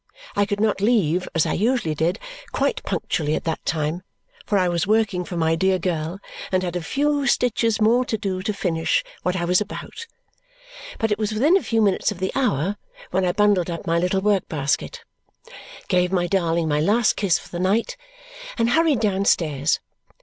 I could not leave, as I usually did, quite punctually at the time, for I was working for my dear girl and had a few stitches more to do to finish what I was about; but it was within a few minutes of the hour when I bundled up my little work basket, gave my darling my last kiss for the night, and hurried downstairs.